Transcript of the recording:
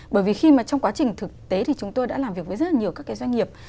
bởi vì khi mà trong quá trình thực tế thì chúng tôi đã làm việc với rất nhiều các cái doanh nghiệp